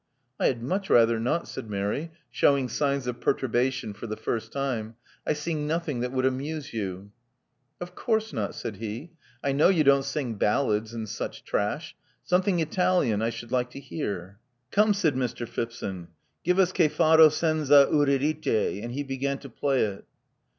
'* I had much rather not," said Mary, shewing signs of perturbation for the first time. I sing nothing that would amuse you." *'Of course not," said he. I know you don't sing ballads and such trash. Something Italian, I should like to hear." '*Come," said Mr. Phipson. Give us ^Che faro senza Euridice,* " And he began to play it.